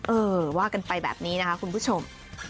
เออว่ากันไปแบบนี้นะคะคุณผู้ชม